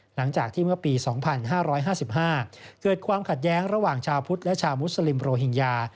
หลังจากที่เมื่อปี๒๕๕๕เกิดความขัดแย้งระหว่างชาวพุทธและชาวมุสลิมโรฮิงญา